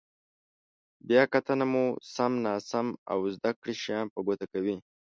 بیا کتنه مو سم، ناسم او زده کړي شیان په ګوته کوي.